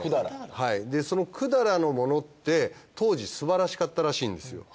はいその百済のものって当時すばらしかったらしいんですよ。